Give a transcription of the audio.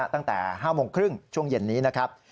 ตั้งแต่๕โมงครึ่งช่วงเย็นนี้นะครับ